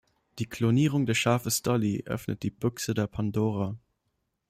Die Klonierung des Schafes Dolly öffnet die Büchse der Pandora.